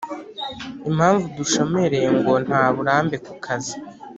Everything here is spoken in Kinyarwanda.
impamvu dushomereye ngo nta burambe ku kazi